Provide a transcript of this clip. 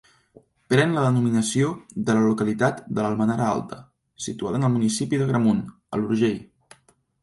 Pren la denominació de la localitat d'Almenara Alta, situada en el municipi d'Agramunt, a l'Urgell.